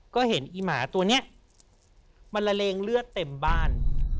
ก็เห็นอีหมาตัวนี้มันละเลงเลือดเต็มบ้าน